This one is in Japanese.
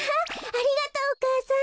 ありがとうお母さん。